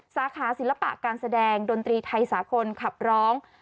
สาขาศิลปะการแสดงดนตรีไทยสากลขับร้อง